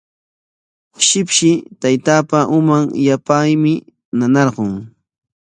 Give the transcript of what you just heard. Shipshi taytaapa uman yapaymi nanarqun.